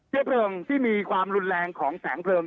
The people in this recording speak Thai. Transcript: เชื้อเพลิงที่มีความรุนแรงของแสงเพลิง